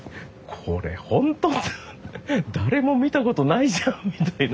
誰も見たことないじゃんみたいな。